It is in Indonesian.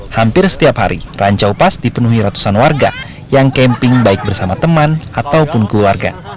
hampir setiap hari rancau pas dipenuhi ratusan warga yang camping baik bersama teman ataupun keluarga